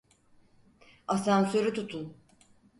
Asansörü tutun!